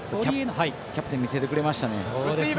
キャプテン見せてくれましたね。